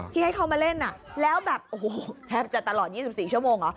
ที่ให้เข้ามาเล่นแล้วแบบแทบจะตลอด๒๔ชั่วโมง